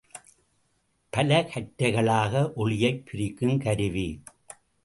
பல கற்றைகளாக ஒளியைப் பிரிக்குங் கருவி.